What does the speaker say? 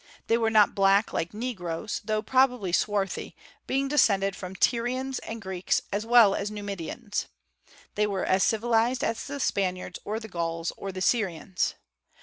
They were not black, like negroes, though probably swarthy, being descended from Tyrians and Greeks, as well as Numidians. They were as civilized as the Spaniards or the Gauls or the Syrians.